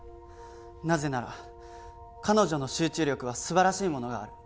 「なぜなら彼女の集中力は素晴らしいものがある」